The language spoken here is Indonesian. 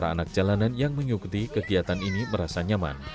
anak jalanan yang menyukti kegiatan ini merasa nyaman